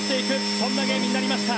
そんなゲームになりました。